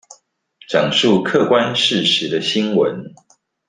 講述客觀事實的新聞